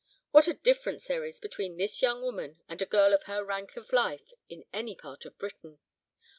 What a difference there is between this young woman and a girl of her rank of life in any part of Britain.